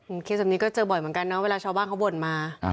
เคสแบบนี้ก็เจอบ่อยเหมือนกันนะเวลาชาวบ้านเขาบ่นมา